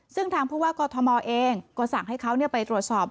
ซึ่งทางผู้ว่ากอทมเองก็สั่งให้เขาไปตรวจสอบ